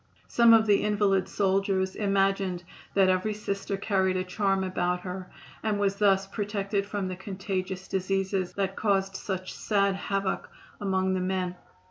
Some of the invalid soldiers imagined that every Sister carried a charm about her, and was thus protected from the contagious diseases that caused such sad havoc among the men.